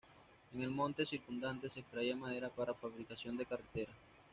En el monte circundante se extraía madera para la fabricación de carretas.